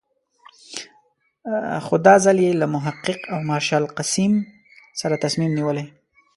خو دا ځل یې له محقق او مارشال قسیم سره تصمیم نیولی.